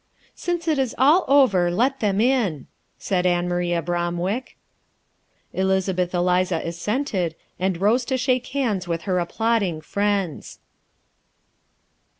"Since it is all over, let them in," said Ann Maria Bromwick. Elizabeth Eliza assented, and rose to shake hands with her applauding friends.